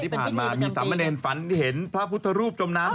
ที่ผ่านมาอันนี้มีสามแบ่นฝันเห็นพระผุธรูปจมน้ำ